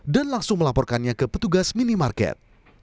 dan langsung melaporkannya ke petugas minimarket